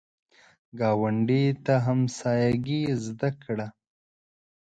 ګاونډي ته همسایګي زده کړه